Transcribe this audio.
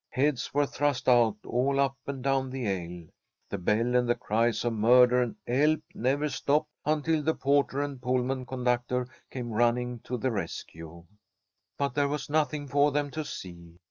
Heads were thrust out all up and down the aisle. The bell and the cries of murder and 'elp never stopped until the porter and Pullman conductor came running to the rescue. But there was nothing for them to see.